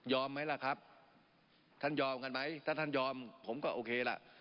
ไหมล่ะครับท่านยอมกันไหมถ้าท่านยอมผมก็โอเคล่ะ